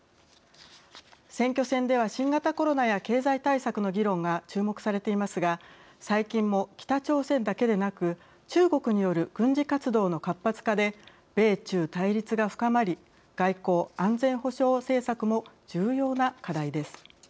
選挙戦では新型コロナや経済対策の議論が注目されていますが最近も、北朝鮮だけでなく中国による軍事活動の活発化で米中対立が深まり外交・安全保障対政策も重要な課題です。